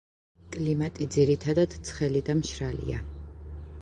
კლიმატი ძირითადად ცხელი და მშრალია.